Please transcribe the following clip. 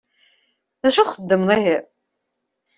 D acu txedmeḍ ihi?